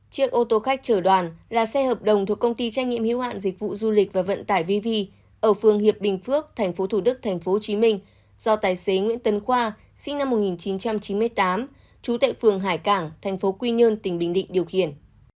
chiếc ô tô khách chở đoàn là xe hợp đồng thuộc công ty trách nhiệm hiếu hạn dịch vụ du lịch và vận tải vv ở phường hiệp bình phước tp thủ đức tp hcm do tài xế nguyễn tấn khoa sinh năm một nghìn chín trăm chín mươi tám trú tại phường hải cảng tp quy nhơn tỉnh bình định điều khiển